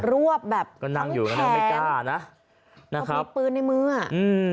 รวบแบบก็นั่งอยู่ก็นั่งไม่กล้านะนะครับมีปืนในมืออ่ะอืม